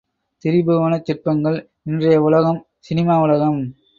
திரிபுவனச் சிற்பங்கள் இன்றைய உலகம் சினிமா உலகம்.